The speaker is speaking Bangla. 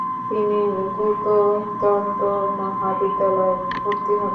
তিনি গ্যুতো তন্ত্র মহাবিদ্যালয়ে ভর্তি হন।